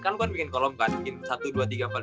kan lu kan bikin kolom kan satu dua tiga empat lima enam kan